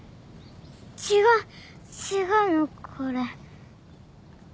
違う違うのこれ体質